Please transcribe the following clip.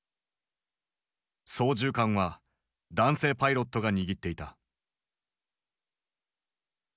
操縦桿は男性パイロットが握っていた。